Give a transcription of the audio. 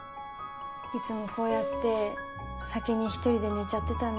いつもこうやって先に１人で寝ちゃってたね